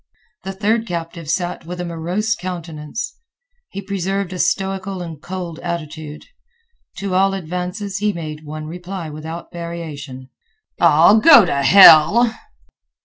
The third captive sat with a morose countenance. He preserved a stoical and cold attitude. To all advances he made one reply without variation, "Ah, go t' hell!"